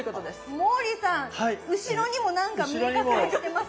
モーリーさん後ろにも何か見え隠れしてますが。